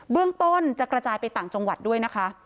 เรื่องต้นจะกระจายไปต่างจังหวัดด้วยนะคะ